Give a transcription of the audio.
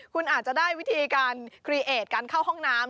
คุณอาจจะได้วิธีการคลีเอทการเข้าห้องน้ำ